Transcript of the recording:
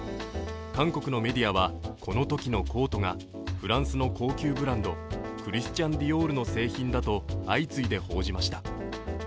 韓国のメディアはこのときのコートがフランスの高級ブランド、クリスチャン・ディオールの製品だと相次いで報じました。